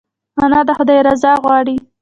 انا د خدای رضا غواړي